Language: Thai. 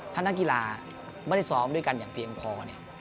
ถ้านักกีฬาไม่ได้ซ้อมด้วยกันอย่างเพียงพอเนี่ย